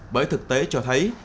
bởi thực tế cho thấy